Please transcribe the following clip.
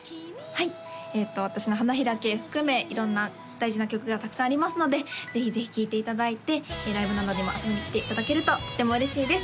はい私の「ハナヒラケ」含め色んな大事な曲がたくさんありますのでぜひぜひ聴いていただいてライブなどにも遊びに来ていただけるととても嬉しいです